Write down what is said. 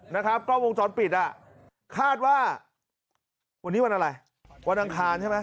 นะครับกล้องวงจรปิดอ่ะคาดว่าวันนี้วันอะไรวันอังคารใช่ไหม